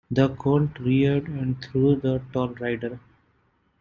The colt reared and threw the tall rider.